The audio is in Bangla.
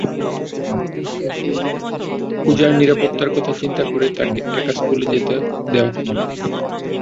পূজার নিরাপত্তার কথা চিন্তা করে তাকে একা স্কুলে যেতে দেওয়া হতো না।